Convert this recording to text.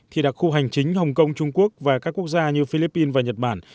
thì đặc khu hành chính hồng kông trung quốc và các quốc gia như philippines và nhật bản